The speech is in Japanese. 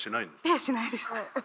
ペーしないです。